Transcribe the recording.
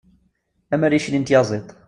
am rric-nni n tyaziḍt